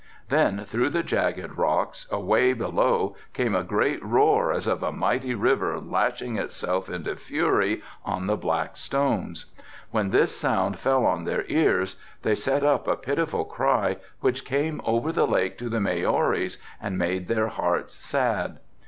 Then through the jagged rocks, away below came a great roar as of a mighty river lashing itself into fury on the black stones. When this sound fell on their ears they set up a pitiful cry which came over the lake to the Maoris and made their hearts sad.